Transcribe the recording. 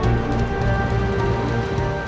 takut hujan sual